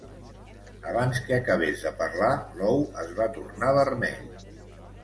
Abans que acabés de parlar l'ou es va tornar vermell.